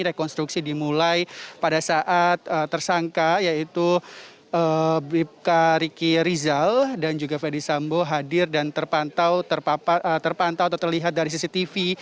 rekonstruksi dimulai pada saat tersangka yaitu bribka riki rizal dan juga fedy sambo hadir dan terpantau atau terlihat dari cctv